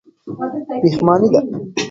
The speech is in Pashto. پښېماني ده.